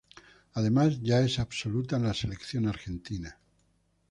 Además, ya es absoluta en la Selección Argentina.